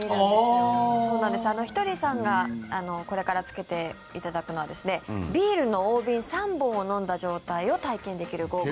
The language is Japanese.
ひとりさんがこれからつけていただくのはビールの大瓶３本を飲んだ状態を体験できるゴーグル。